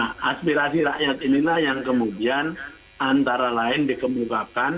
nah aspirasi rakyat inilah yang kemudian antara lain dikemukakan